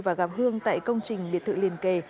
và gặp hương tại công trình biệt thự liền kề